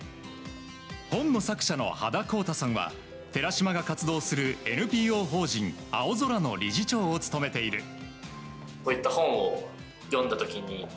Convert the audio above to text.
本の作者の葉田甲太さんは寺嶋が活動するＮＰＯ法人あおぞらの理事長を務めている。